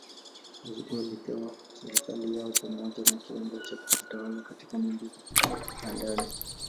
Wazungu walipewa serikali yao pamoja na kiwango cha kujitawala katika mambo ya ndani.